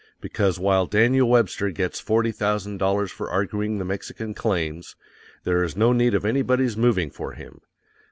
BECAUSE, WHILE DANIEL WEBSTER GETS FORTY THOUSAND DOLLARS FOR ARGUING THE MEXICAN CLAIMS, there is no need of anybody's moving for him.